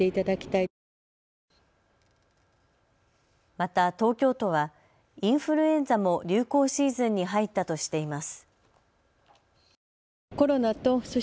また東京都はインフルエンザも流行シーズンに入ったとしています。